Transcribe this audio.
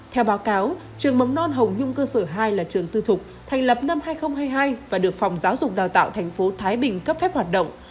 theo báo cáo trường mầm non hồng nhung cơ sở hai là trường tư thục thành lập năm hai nghìn hai mươi hai và được phòng giáo dục đào tạo tp thái bình cấp phép hoạt động